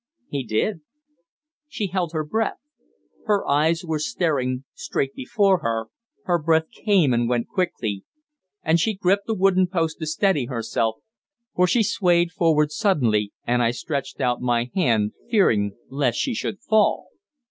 "He did." She held her breath. Her eyes were staring straight before her, her breath came and went quickly, and she gripped the wooden post to steady herself, for she swayed forward suddenly, and I stretched out my hand, fearing lest she should fall.